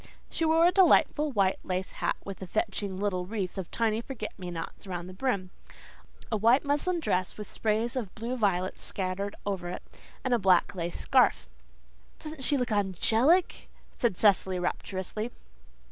She wore a delightful white lace hat with a fetching little wreath of tiny forget me nots around the brim, a white muslin dress with sprays of blue violets scattered over it, and a black lace scarf. "Doesn't she look angelic?" said Cecily rapturously.